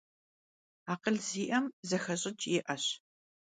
Akhıl zi'em, zexeş'ıç' yi'eş.